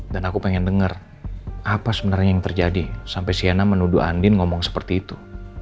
dan aku pengen denger apa sebenarnya yang terjadi sampai sienna menuduh andin ngomong seperti itu